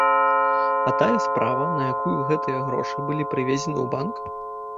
А тая справа, на якую гэтыя грошы былі прывезены ў банк?